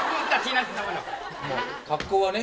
格好はね。